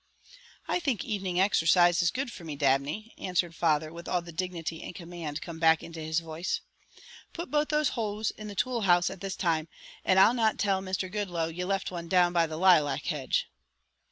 "I think evening exercise is good for me, Dabney," answered father with all the dignity and command come back into his voice. "Put both those hoes in the tool house this time, and I'll not tell Mr. Goodloe you left one down by the lilac hedge."